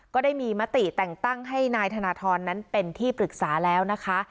ก็ได้มีมติแต่งตั้งให้นายธนทรนั้นเป็นที่ปรึกษาแล้วนะคะ